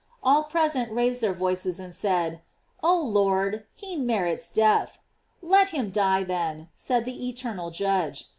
All present raised their voices and said: "Oh Lord, he merits death." "Let him die, then," said the eternal Judge.